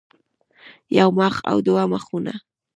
يو مخ او دوه مخونه